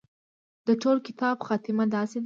د ټول کتاب خاتمه داسې ده.